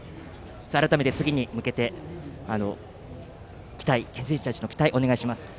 改めて次に向けて選手たちの期待、お願いします。